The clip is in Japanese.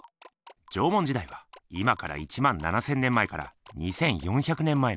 縄文時代は今から１万７，０００年前から２，４００年前の。